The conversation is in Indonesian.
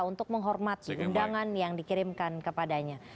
untuk menghormati undangan yang dikirimkan kepadanya